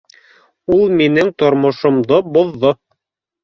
Ул минең тормошомдо боҙҙо